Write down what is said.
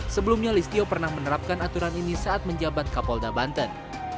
sebelumnya listio pernah menerapkan aturan ini saat menjabat kapolda banten